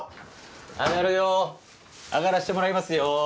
上がるよ上がらしてもらいますよ。